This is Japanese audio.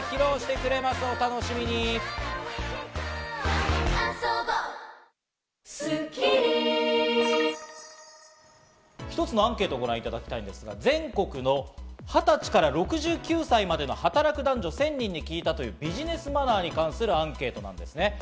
ある調査によると、会議中に一つのアンケートをご覧いただきたいんですが全国の２０歳から６９歳までの働く男女１０００人に聞いたというビジネスマナーに関するアンケートです。